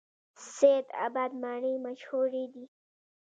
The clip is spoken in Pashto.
سید اباد مڼې مشهورې دي؟